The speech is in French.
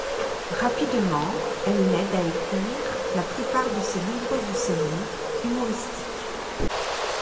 Rapidement, elle l'aide à écrire la plupart de ses nombreuses séries humoristiques.